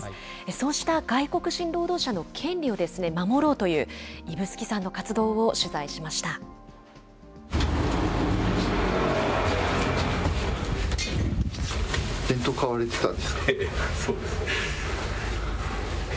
そうした外国人労働者の権利を守ろうという、指宿さんの活動を取材しました。